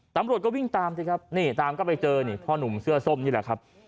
ตำรวจก็วิ่งตามสิครับนี่ตามก็ไปเจอนี่พ่อหนุ่มเสื้อส้มนี่แหละครับ